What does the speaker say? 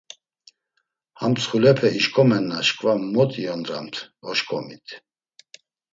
Ham mtsxulepe işǩomenna şǩva mot iyondramt, oşǩomit.